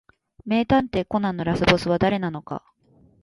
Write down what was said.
名探偵コナンのラスボスは誰なのか